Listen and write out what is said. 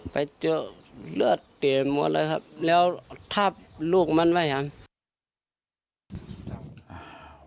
ไปเจอเลือดเตรียมหมดเลยครับแล้วทาบลูกมันไว้ครับ